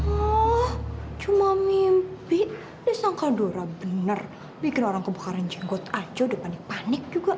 oh cuma mimpi disangka dora bener bikin orang kebukaran jenggot aja udah panik panik juga